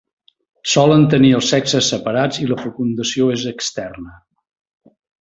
Solen tenir els sexes separats i la fecundació és externa.